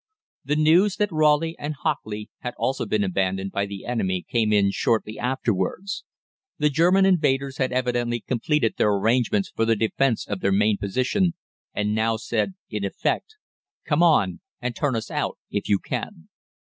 The news that Rayleigh and Hockley had also been abandoned by the enemy came in shortly afterwards. The German invaders had evidently completed their arrangements for the defence of their main position, and now said, in effect, 'Come on, and turn us out if you can.'